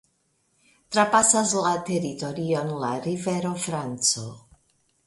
Trapasas la teritorion la rivero Franco.